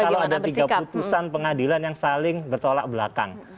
kalau ada tiga putusan pengadilan yang saling bertolak belakang